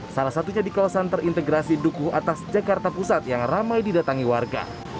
salah satunya di kawasan terintegrasi dukuh atas jakarta pusat yang ramai didatangi warga